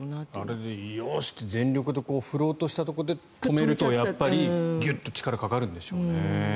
あれで、よし！って全力で振ろうとしたところで止めるとやっぱりギュッと力がかかるんでしょうね。